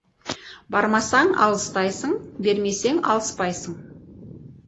Бармасаң, алыстайсың, бермесең, алыспайсың.